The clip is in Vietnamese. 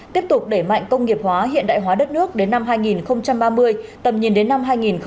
tiếp tục đẩy mạnh công nghiệp hóa hiện đại hóa đất nước đến năm hai nghìn ba mươi tầm nhìn đến năm hai nghìn bốn mươi năm